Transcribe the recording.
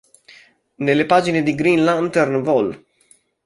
Nelle pagine di "Green Lantern" vol.